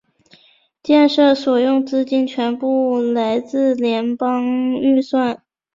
建设所用资金全部来自联邦预算。